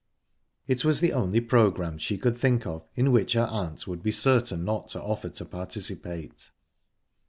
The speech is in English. It was the only programme she could think of in which her aunt would be certain not to offer to participate.